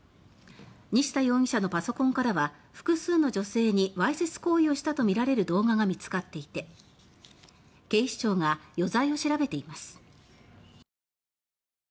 西田容疑者のパソコンからは複数の女性にわいせつ行為をしたとみられる動画が見つかっていて警視庁が余罪を調べています。